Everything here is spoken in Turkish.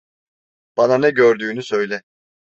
Bana ne gördüğünü söyle.